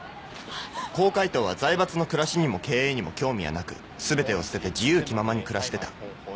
コウ・カイトウは財閥の暮らしにも経営にも興味はなく全てを捨てて自由気ままに暮らしてた。